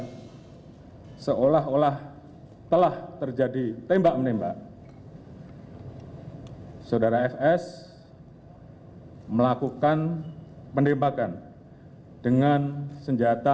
hai seolah olah telah terjadi tembak menembak saudara fs melakukan penembakan dengan senjata